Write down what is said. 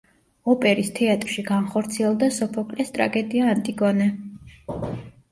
ოპერის თეატრში განხორციელდა სოფოკლეს ტრაგედია „ანტიგონე“.